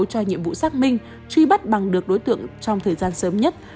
cho nhiệm vụ xác minh truy bắt bằng được đối tượng trong thời gian sớm nhất